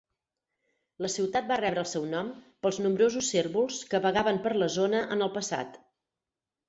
La ciutat va rebre el seu nom pels nombrosos cérvols que vagaven per la zona en el passat.